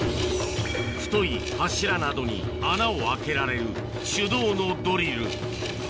太い柱などに穴を開けられる手動のドリル